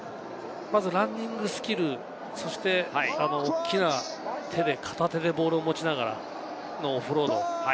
ランニングスキル、そして大きな手で片手でボールを持ちながらのオフロード。